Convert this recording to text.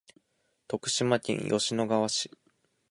徳島県吉野川市